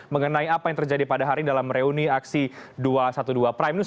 mengenai apa yang terjadi pada hari dalam reuni aksi dua ratus dua belas prime news